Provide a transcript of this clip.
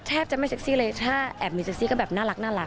แทบจะไม่เซ็กซี่เลยถ้าแอบมีเซ็กซี่ก็แบบน่ารัก